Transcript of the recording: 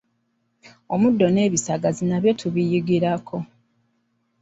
Omuddo n'ebisagazi nabyo tubiyigirako.